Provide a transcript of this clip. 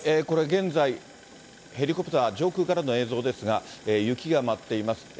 これ、現在、ヘリコプター、上空からの映像ですが、雪が舞っています。